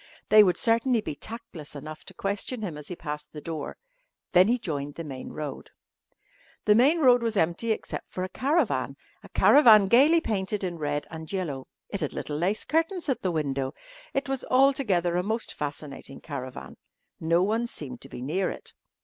They would certainly be tactless enough to question him as he passed the door. Then he joined the main road. The main road was empty except for a caravan a caravan gaily painted in red and yellow. It had little lace curtains at the window. It was altogether a most fascinating caravan. No one seemed to be near it.